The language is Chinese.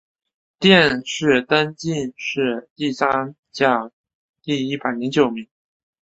殿试登进士第三甲第一百零九名。